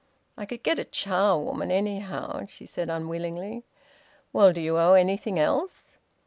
"I could get a charwoman, anyhow," she said unwillingly. "Well, do you owe anything else?"